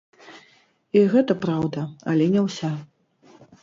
І гэта праўда, але не ўся.